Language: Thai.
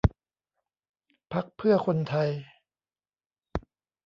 พรรคเพื่อคนไทย